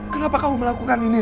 kenapa kamu melakukan ini